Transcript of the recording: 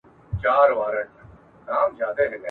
تښتېدلې ورنه ډلي د لېوانو!.